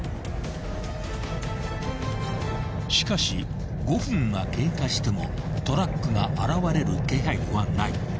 ［しかし５分が経過してもトラックが現れる気配はない］